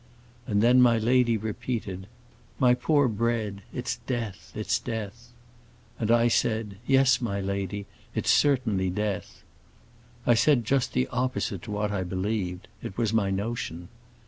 And then my lady repeated, 'My poor Bread, it's death, it's death;' and I said, 'Yes, my lady, it's certainly death.' I said just the opposite to what I believed; it was my notion.